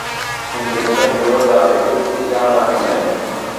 কিন্তু কোথায় ডুবল তার একটু ঠিকানা রাখা চাই।